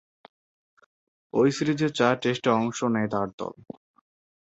ঐ সিরিজে চার টেস্টে অংশ নেয় তার দল।